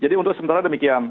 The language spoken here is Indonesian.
jadi untuk sementara demikian